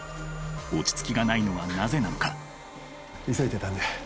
落ち着きがないのはなぜなのか急いでたんで。